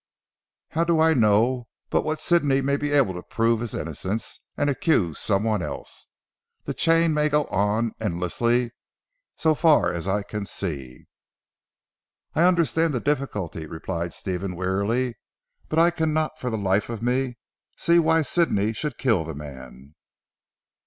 How do I know but what Sidney may be able to prove his innocence, and accuse someone else. The chain may go on endlessly so far as I can see." "I understand the difficulty," replied Stephen wearily, "but I cannot for the life of me see why Sidney should kill the man."